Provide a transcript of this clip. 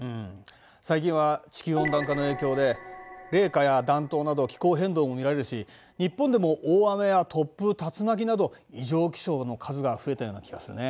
最近は地球温暖化の影響で冷夏や暖冬など気候変動も見られるし日本でも大雨や突風竜巻など異常気象の数が増えたような気がするね。